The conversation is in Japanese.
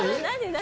何？